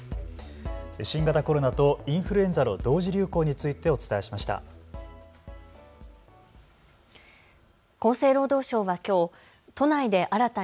新型コロナとインフルエンザの同時流行についてお伝えしました。